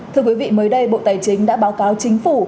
thưa quý vị mới đây bộ tài chính đã báo cáo chính phủ